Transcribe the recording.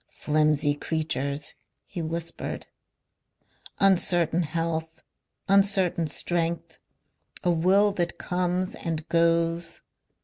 "Flimsy creatures," he whispered. "Uncertain health. Uncertain strength. A will that comes and goes.